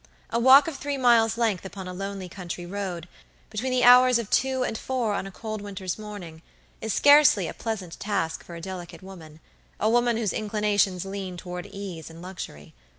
A walk of three miles' length upon a lonely country road, between the hours of two and four on a cold winter's morning, is scarcely a pleasant task for a delicate womana woman whose inclinations lean toward ease and luxury.